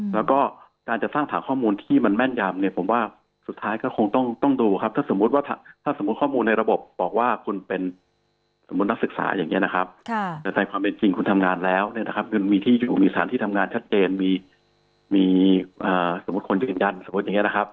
แล้วก็การจะสร้างฐานข้อมูลที่มันแม่นยำเนี่ยผมว่าสุดท้ายก็คงต้องดูครับถ้าสมมุติว่าถ้าสมมุติข้อมูลในระบบบอกว่าคุณเป็นสมมุตินักศึกษาอย่างนี้นะครับแต่ในความเป็นจริงคุณทำงานแล้วเนี่ยนะครับมันมีที่อยู่มีสถานที่ทำงานชัดเจนมีสมมุติคนยืนยันสมมุติอย่างนี้นะครับ